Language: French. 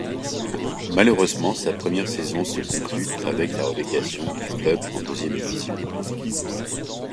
Malheureusement, sa première saison se conclut avec la relégation du club en deuxième division.